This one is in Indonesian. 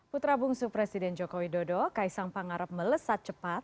putra bungsu presiden joko widodo kaisang pangarep melesat cepat